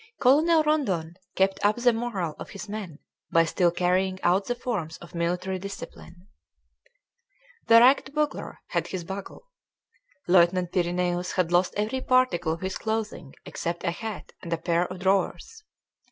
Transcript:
Colonel Rondon kept up the morale of his men by still carrying out the forms of military discipline. The ragged bugler had his bugle. Lieutenant Pyrineus had lost every particle of his clothing except a hat and a pair of drawers.